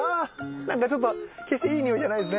なんかちょっと決していいにおいじゃないですね。